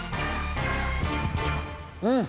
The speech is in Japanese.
うん。